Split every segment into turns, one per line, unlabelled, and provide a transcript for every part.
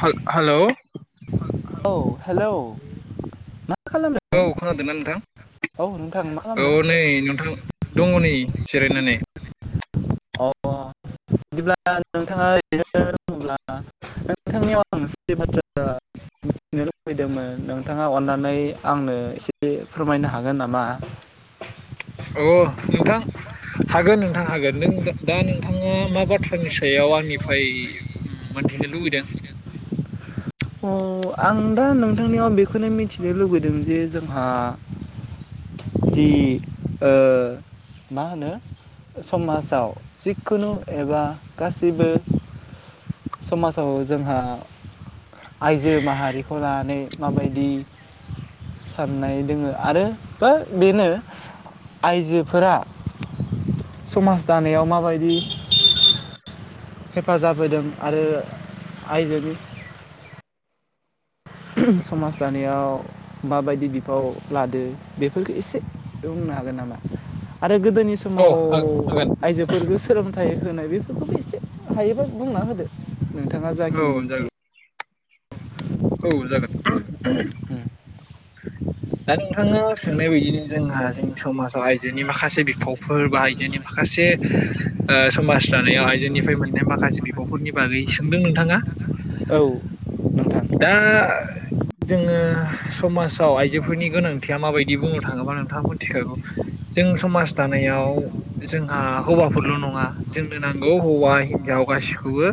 हा-हालौ
औ हेलौ
औ
खालामदों
खोनादोना नोंथां?
औ नोंथां मा
औ
खालामदों
नै नोंथां दङ नै । जेरायनानै ।
अ बिदिब्ला नोंथाङा ओरैनो दङोब्ला नोंथांनियाव आं मनसे बाथ्रा मिथिनो लुबैदोंमोन नोंथाङा अन्नानै आंनो एसे फोरमायनो हागोन नामा?
अ नोंथां हागोन नोंथां हागोन नों दा दा नोंथाङा मा बाथ्रानि सायाव आंनिफाय उम मोनथिनो लुबैदों?
अ आं दा नोंथांनियाव बेखोनो मिथिनो लुुबैदों जे जोंहा दि ओ मा होनो समाजाव जिखुनु एबा गासैबो समाजाव जोंहा आइजो माहारिखौ लानानै माबायदि साननाय दोङो आरो बा बेनो आइजोफोरा समाज दानायाव माबायदि हेफाजाब होदों आरो आइजोनि समाज दानायाव माबायदि बिफाव लादो बेफोरखो एसे बुंनो हागोन नामा? आरो गोदोनि
औ
समाव
हागोन
आइजोफोरखो सोलों थाइ होनाय बेफोरखौबो एसे हायोबा बुंना होदो । नोंथाङा
औ
जाखिनि मिथियो
जागोन
।
औ जागोन दा नोंथाङा सोंनाय बायदिनो जोंहा जोंनि समाजाव आइजोनि माखासे बिफावफोर बा आइजोनि माखासे ओ समाज दानायाव आइजोनिफ्राय मोननाय माखासे बिफावफोरनि बागै सोंदों नोंथाङा ।
औ नोंथां
दा जोङो समाजाव आइजो फोरनि गोनांथिया माबायदि बुंनो थाङोबा नोंथाङा मोनथिखागौ जों समाज दानायाव जोंहा हौवाफोरल' नङा जोंनो नांगौ हौवा हिनजाव गासिखौबो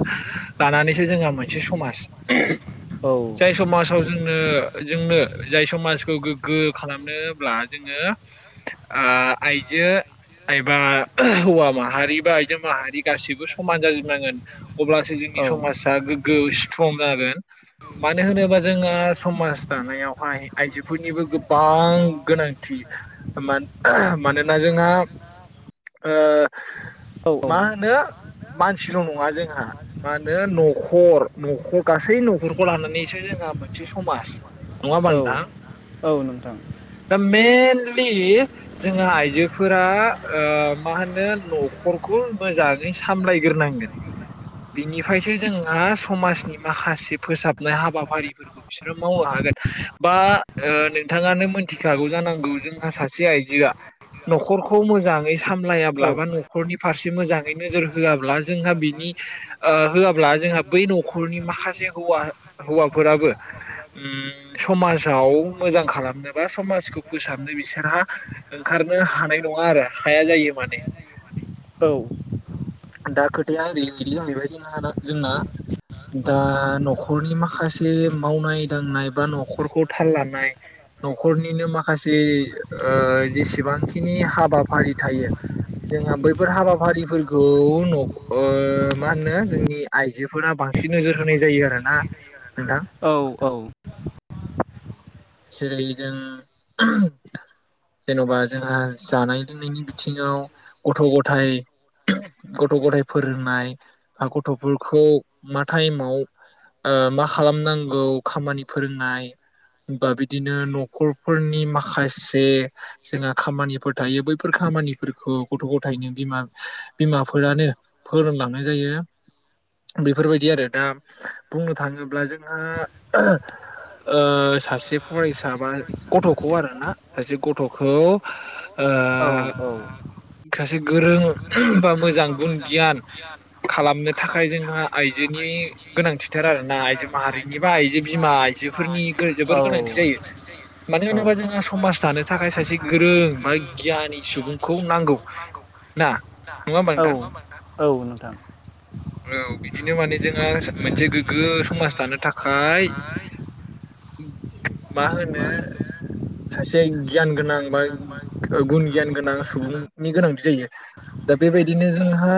लानानैसो जोंहा मोनसे समाज ।
औ
जाय समाजाव जोंनो जोंनो जाय समाज खौ गोग्गो खालामनोब्ला जोङो ओ आइजो एबा हौवा माहारि बा आइजो माहारि गासिबो समान जाजोबनांगोन अब्लासो जोंनि
औ
समाजा गोग्गो स्ट्रं जागोन मानो होनोबा जोंहा समाज दानायावहाय आइजो फोरनिबो गोबां गोनांथि मा मानोना जोंहा ओ
औ
मा होनो मानसिल' नङा जोंहा मा होनो न'खर न'खर गासै न'खरखौ लानानैसो जोंहा मोनसे समाज । नङा ओमबा
औ
नोंथां ।
औ नोंथां
मेनलि जोंहा आइजोफोरा ओ मा होनो न'खरखौ मोजाङै सामलायग्रोनांगोन बिनिफ्रायसो जोंहा समाजनि माखासे फोसाबनाय हाबाफारिफोरखौ बिसोरो मावनो हागोन बा ओ नोंथाङानो मोनथिखागौ जानांगौ जोंहा सासे आइजोआ न'खरखौ मोजाङै सामलायाब्ला
औ
बा न'खरनि फारसे मोजां नोजोर होआब्ला जोंहा बिनि ओ होआब्ला जोंहा बै न'खरनि माखासे हौवा हौवाफोराबो उम समाजाव मोजां खालामनो बा समाजखौ फोसाबनो बिसोरहा ओंखारनो हानाय नङा आरो हाया जायो माने
औ
दा खोथाया ओरैबायदि जाहैबाय जोंहाना जोंना दा न'खरनि माखासे मावनाय दांनाय बा न'खरखौ थाल लानाय। न'खरनिनो माखासे ओ जेसेबांखिनि हाबाफारि थायो जोंहा बैफोर हाबाफारिफोरखौ न' ओ मा होनो जोंनि आइजोफोरा बांसिन नोजोर होनाय जायो आरोना। नोंथां
औ औ
जेरै जों जेन'बा जोंहा जानाय लोंनायनि बिथिङाव गथ' गथाइ गथ' गथाइ फोरोंनाय बा गथ'फोरखौ मा टाइमाव ओ मा खालामनांगौ खामानि फोरोंनाय। बा बिदिनो न'खरफोरनि माखासे जोंहा खामानिफोर थायो बैफोर खामानिफोरखौ गथ' गथायनो बिमा बिमाफोरानो फोरोंलांनाय जायो बेफोरबायदि आरो दा बुंनो थाङोब्ला जोंहा ओ सा से फरायसा बा गथ'खौ आरोना सासे गथ'खौ ओ सासे गोरों बा मोजां गुन गियान खालामनो थाखाय जोंहा आइजोनि गोनांथिथार आरोना आइजो माहारिनि बा आइजो बिमा आइजोफोरनि [unintelligible] गोनांथि जायो मानो होनोबा जोंहा समाज दानो थाखाय सासे गो गोरों बा गियानि सुबुंखौ नांगौ ना नङाहोमबा नोंथां?
औ नोंथां
औ बिदिनो माने जोंङो मोनसे गोग्गो समाज दानो थाखाय मा होनो सासे गियान गोनां बा गुन गियान गोनां सुबुंनि गोनांथि जायो दा बेबायदिनो जोंहा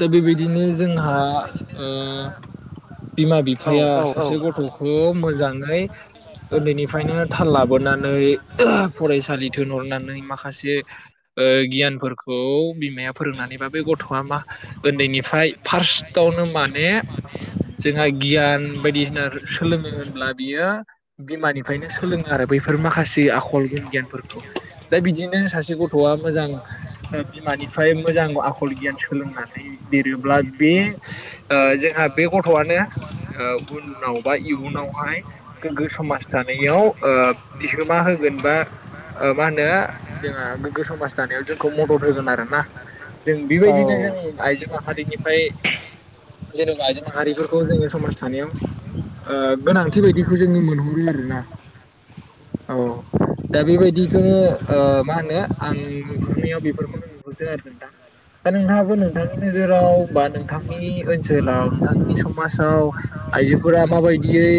दा बेबायदिनो जोंहा ओ बिमा बिफाया सासे गथ' खुुब मोजां ओमफाय उन्दैनिफ्रायनो थाल लाबोनानै फरायसालि थोनहरनानै माखासे गियानफोरखौ बिमाया फोरोंनानै बा बे गथया मा उन्दैनिफ्राय फार्सतावनो माने जोंहा गियान बायदिसिना सोलोङो होनोब्ला बियो बिमानिफ्रायनो सोलोङो आरो बैफोर माखासे आखल गुन गियानफोरखौ दा बिदिनो सासे गथ'आ मोजां बिमानिफ्राय मोजां आखल गियान सोलोंनानै लिरोब्ला बे ओ जोंहा बे गथ'आनो ओ उनाव बा इयुनावहाय गोग्गो समाज दानायाव ओ बिहोमा होगोन बा मा होनो जोंहा गोग्गो समाज दानायाव जोंखौ मदद होगोन आरोना जों
औ
बेबायदिनो जों आइजो माहारिनिफ्राय जेनेबा आइजो माहारिफोरखौ जोङो समाज दानायाव ओ गोनां बिबादिखौ जोङो मोनहरो आरो ना औ दा बेबायदिखौनो ओ मा होनो आं नुहुरनायाव बेफोरखौनो नुहुरदों आरो नोंथां दा नोंथाङाबो नोंथांनि नोजोराव बा नोंथांनि ओनसोलाव नोंथांनि समाजाव आइजोफोरा माबायदियै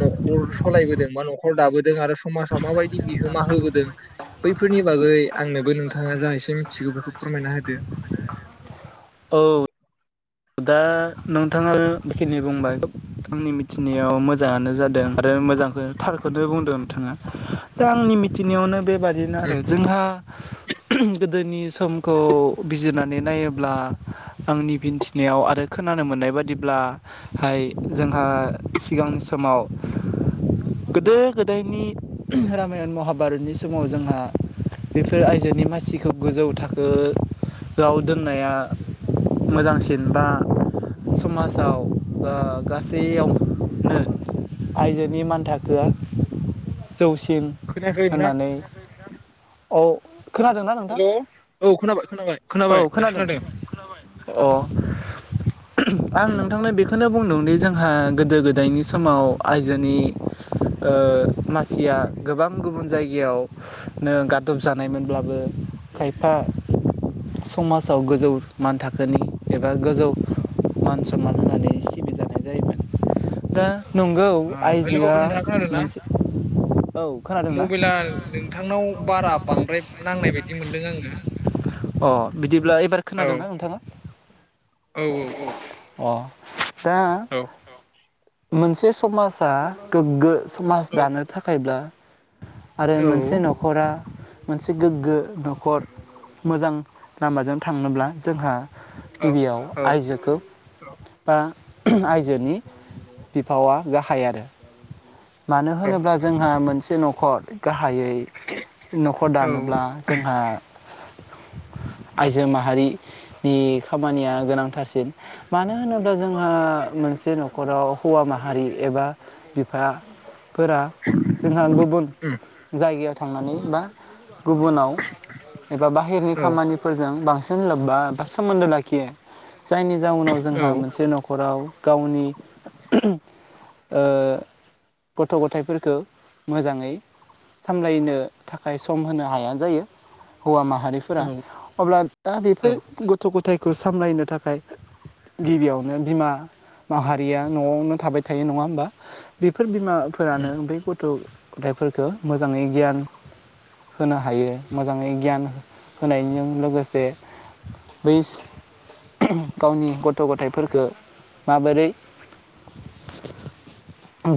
न'खर सलायबोदों बा न'खर दाबोदों आरो समाजाव माबायदि बिहोमा होबोदों बैफोरनि बागै आंनोबो नोंथाङा जा एसे मिथिगौ बेखौ फोरमायना होदो।
औ दा नोंथाङा बेखिनि बुंबाय आंनि मिथिनायाव मोजाङानो जादों आरो मोजांखौ थारखौनो बुंदों नोंथाङा दा आंनि मिथिनायावनो बेबा दिनो आरो
उम
जोंहा गोदोनि समखौ बिजिरनानै नायोब्ला आंनि बिन्थि नियाव आरो खोनानो मोननाय बादिब्लाहाय जोंहा सिगांनि समाव गोदो गोदायनि रामायण महाभारतनि समाव जोंहा बेफोर आइजोनि मानसिखौ गोजौ थाखो आव दोननाया मोजांसिन। बा समाजाव बा गासैयावनो आइजोनि मान थाखोआ जौसिम
खोनायाखै नोंथां
होननानै औ खोनादोंना नोंथां
हेल' औ खोनाबाय खोनाबाय
औ
खोनाबाय दासो
खोनादों अ आं
उम
नोंथांनो बेखौ नो बुंदोंदि जोंहा गोदो गोदायनि समाव आयजोनि ओ मानसिया गोबां गुबुन जायगायावनो गादब जानायमोनब्लाबो खायफा समाजाव गोजौ मान थाखोनि एबा गोजौ मान सनमान होनानै सिबिजानाय जायोमोन। दा नंगौ आइजोआ मोनसे औ खोनादोंना?
मबेला नोंथांनाव बारा बांद्राय नांनाय बायदि मोनदों आङो।
अ बिदि ब्ला एबार खोनादों ना नोंथाङा?
औ औ
अ दा
औ औ
मोनसे समाजा गोग्गो समाज
औ
दानो थाखायब्ला आरो
औ
मोनसे न'खरा मोनसे गोग्गो न'खर मोजां लामाजों थांनोब्ला जोंहा
औ
गिबियाव
औ
आइजोखौ बा आइजोनि बिफावा गाहाय आरो। मानो
औ
होनोब्ला जोंहा मोनस से न'खर गाहायै न'खर दानोब्ला जोंहा आइजो माहारि नि खामानिया गोनांथारसिन मानो होनोब्ला जोंहा मोनसे सू न'खराव हौवा माहा हारि एबा बिफा फोरा जोंहा गुबुन जायगायाव थांनानै बा गुबुनाव एबा बाहेरनि खामानिफोरजों बांसिन सिन लोबबा दासोमोन्दो लाख खियो। जायनि जाउनाव
औ
जोंहा मोनसे न'खराव गावनि ओ गथ' गथायाइफोरखो मोजाङै सामलायनो थाखाय सम होनो हाया जायो। हौवा माहारिफोरा
उम,
अब्ला दा बेफोर गथ' ग खौ सामलायनो थाखाय गिबियावनो बिमा माहारिया न'आवनो थाबाय थायो नङा होमबा? बेफो फोर बिमाफोरानो ओमफाय गथ' खन्थाइफोरखो मोजाङै गियान होनो हायो मोजाङै गियान होनायजों लोगोसे बैस गावनि गथ' गथायाइफोरखो माबोरै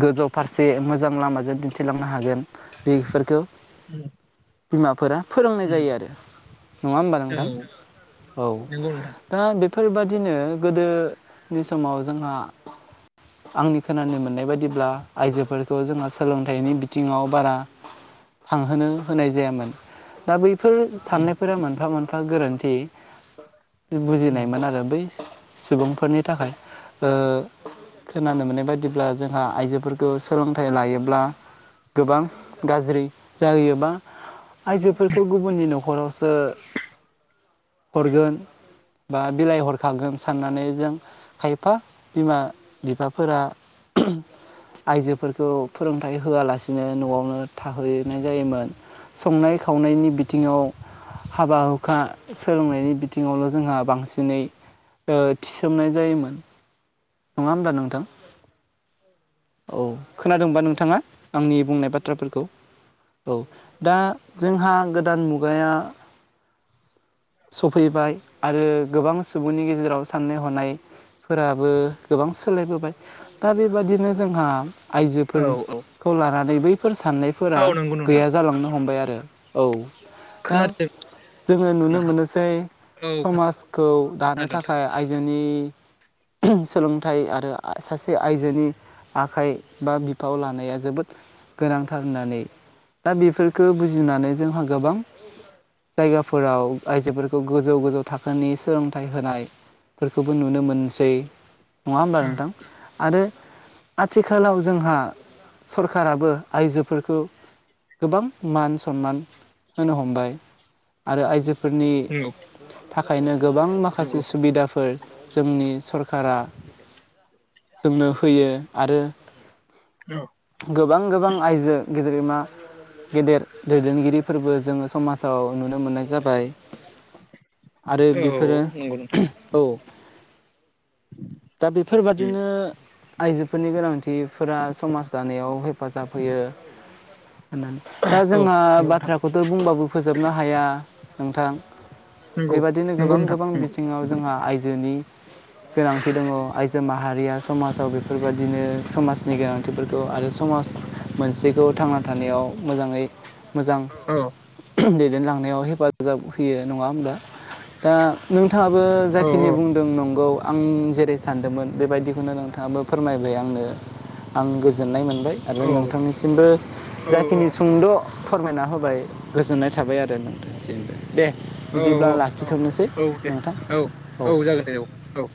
गोजौ फारसे मोजां लामा जों दिन्थिलांनो हागोन। बिगफोरखौ
उम,
बिमाफोरा फोरोंनाय
उम,
जायो आरो नङा होमबा नोंथां? औ
नोंगौ नोंथां
फोरबादिनो गोदोनि समाव जोंहा आंनि खोनानो मोननाय बायदिब्ला आइजोफोरखौ जोंहा सोलोंथाइनि बिथिङाव बारा खांहोनो होनाय जायामोन। दा बै फोर
उम,
साननायफोरा मोनफा-मोनफा गोरोन्थि। [unintelligible]
उम,
बुजिनायमोन आरो बै सुबुंफोरनि। थाखाय ओ खोनानो मोननाय बायदिब्ला जोंहा आइजोफोरखो सोलोंथाइ लायोब्ला गोबां गाज्रि जायोबा आइजोफोरखौ गुबुननि न'खरावसो हरगोन। बा बिलाइ हरखागोन साननानै जों खायफा बिमा बिफाफोरा आइजोफोरखौ फोरोंथायाइ होआलासिनो न'आवनो थाहैनाय जायोमोन संनाय खावनायनि बिथिङाव हाबा हुखा सोलोंनायनि बिथिं। थिङावल' जोंहा बांसिनै ओ थिसोमनाय जायोमोन नङा होमब्ला नोंथां औ खोनादोंबा नोंथाङा आंनि बुंनाय बाथ्राफोरखौ औ दा जोंहा गो दान मुगाया सौ फैबाय आरो गोबां सुबुंनि गेजेराव साननाय हनायफोराबो गोबां सोलायबोबाय दा बेबादिनो जोंहा
औ औ
आइजोफोरखौ लानानै बै फोर साननायफोरा
औ नंगौ नोंथां
गैया जालांनो हमबाय आ रो औ दा
खोनादों
जोङो नुनो
नोंथां
मोनोसै
औ
समाजखौ दानो
खोनादों नोंथां
थाखाय आइजोनि [unintelligible] सोलोंथाइ आरो आ सासे आइजोनि आखाइ बा बिफाव लानाया जोबोद गोनांथार होननानै दा बेफोरखो बुजिनानै जोंहा गोबां जायगाफोराव आइजोफोर खौ गोजौ गोजौ थाखोनि सोलोंथाइ होनायफोरखौबो नुनो मोनसै नङा होमबा
उम,
नोंथां आरो आथिखालाव जोंहा सरखाराबो आइजोफोरखौ गोबां मान सनमान होनो हमबाय आरो आइजोफोरनि
नंगौ
थाखायनो गोबां माखासे
नंगौ
सुबिदाफोर जोंनि सरखारा जोंनो होयो आरो गोबां गोबां आइजो गिदेरैमा गेदेर दैदेनगिरि फोरबो जोङो समाजाव नुनो मोननाय जाबाय आरो
औ
बेफोरो
नंगौ नोंथां
उम औ दा
उम,
बेफोरबादिनो आइजोफोरनि गोनां थिफोरा समाज दानायाव हेफाजाब होयो होननानै दा
औ
जोंहा
नंगौ नोंथां
बाथ्राखौथ' बुंबाबो फोजोबनो हाया नोंथां
नंगौ
बेबादिनो
नंगौ
गोबां
नोंथां
गोबां
नंगौ
बिथिङाव जोंहा आइजोनि गोनांथि दङ' आइजो माहारिया समा जाव बेफोरबादिनो समाजनि गोनांथि फोरखौ आरो समाज मोनसेखौ थांना थानायाव मोजाङै मोजां
औ
दै देनलांनायाव हेफाजाब होयो। नङा होमब्ला दा नोंथाङाबो
औ
जायखिनि बुंदों नंगौ। आं जेरै सानदोमोन बेबायदिखौनो नोंथाङाबो फोरमायबाय आंनो आं गोजोननाय मो बाय आरो
औ
नोंथांनिसिमबो
औ औ
जाखिनि सुंद' फोरमायना होबाय गोजोननाय थाबाय आरो नोंथांसिमबो दे
औ
बिदिब्ला
औ औ
लाखिथ'नोसै
औ दे
नोंथां
औ औ जागोन दे औ औ